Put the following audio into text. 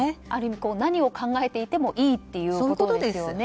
何を考えていてもいいということですよね。